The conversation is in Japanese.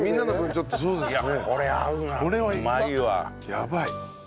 やばい。